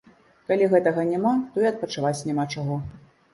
Калі гэтага няма, то і адпачываць няма чаго.